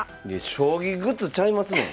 将棋グッズちゃいますのん？